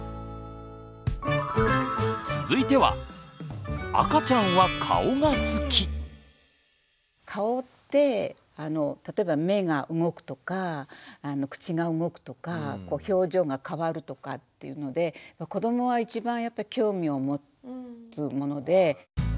続いては顔って例えば目が動くとか口が動くとか表情が変わるとかっていうので子どもは一番やっぱり興味を持つもので。